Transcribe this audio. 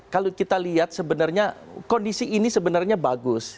kalau kita lihat sebenarnya kondisi ini sebenarnya bagus